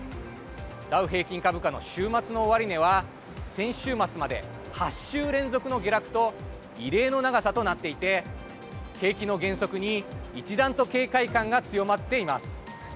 ダウ平均株価の週末の終値は先週末まで、８週連続の下落と異例の長さとなっていて景気の減速に一段と警戒感が強まっています。